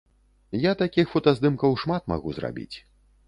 Я такіх фотаздымкаў шмат магу зрабіць.